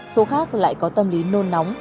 số khác lại có tâm lý nôn nóng